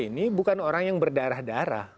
ini bukan orang yang berdarah darah